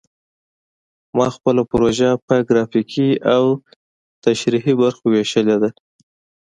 ما خپله پروژه په ګرافیکي او تشریحي برخو ویشلې ده